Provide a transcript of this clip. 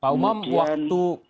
pak umam waktu